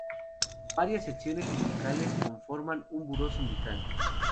Varias secciones sindicales conforman un buró sindical.